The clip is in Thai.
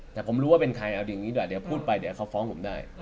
แต่ผมรู้ว่าเป็นใครเอาอย่างนี้หน่อยเดี๋ยวพูดไปเดี๋ยวเขาฟ้องผมได้